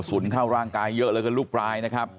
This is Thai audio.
สุนเข้าร่างกายเยอะกันลูกรายนะครับ